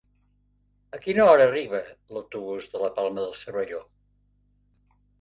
A quina hora arriba l'autobús de la Palma de Cervelló?